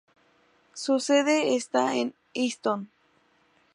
Su sede está en Easton.